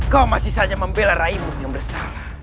kau masih saja membela raimu yang bersalah